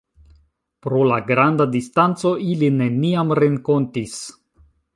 Pro la granda distanco, ili neniam renkontis.